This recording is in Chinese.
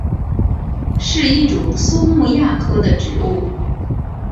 是一种苏木亚科的植物。